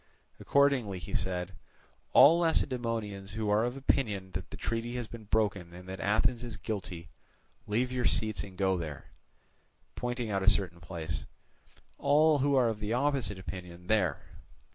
Accordingly he said: "All Lacedaemonians who are of opinion that the treaty has been broken, and that Athens is guilty, leave your seats and go there," pointing out a certain place; "all who are of the opposite opinion, there."